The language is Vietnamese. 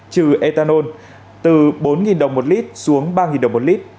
trừ ethanol từ bốn đồng một lít xuống ba đồng một lít